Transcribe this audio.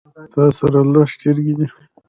تاسره لس چرګې دي